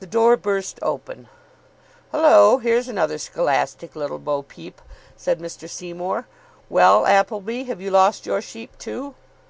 The door burst open. "Hullo, here's another scholastic Little Bo Peep," said Mr. Seymour. "Well, Appleby, have you lost your sheep, too?"